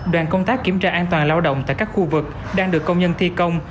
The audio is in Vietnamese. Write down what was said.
đoàn công tác kiểm tra an toàn lao động tại các khu vực đang được công nhân thi công